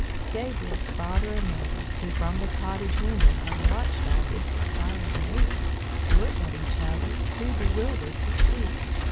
Gabriel's father and mother, who from the cottage window had watched all this in silent amazement, looked at each other, too bewildered to speak.